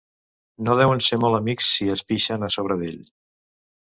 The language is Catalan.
No deuen ser molt amics si es pixen a sobre d'ell.